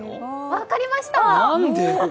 分かりました！